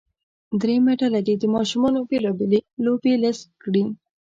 دریمه ډله دې د ماشومانو بیلا بېلې لوبې لیست کړي.